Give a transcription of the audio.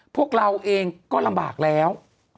พวกเราเองก็ลำบากแล้ว